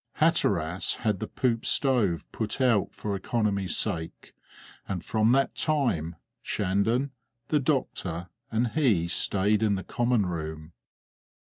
Hatteras had the poop stove put out for economy's sake, and from that time Shandon, the doctor, and he stayed in the common room.